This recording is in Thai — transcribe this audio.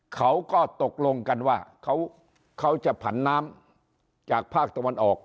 เขาก็ตกลงกันว่าเขาจะผันน้ำจากภาคตะวันออก